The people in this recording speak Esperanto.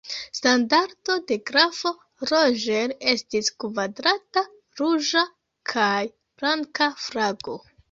Standardo de grafo Roger estis kvadrata ruĝa kaj blanka flago.